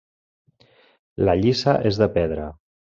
La lliça és de pedra.